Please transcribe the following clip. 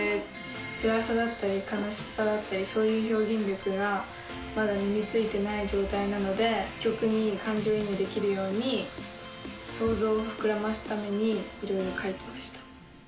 つらさだったり悲しさだったり、そういう表現力が、まだ身についてない状態なので、曲に感情移入できるように、想像を膨らますために、いろいろ書いてました。